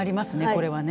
これはね。